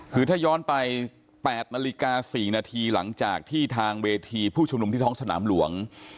คือถ้าย้อนไป๘นาฬิกา๔นาทีหลังจากที่ทางเวทีผู้ชุมนุมที่ท้องสนามหลวง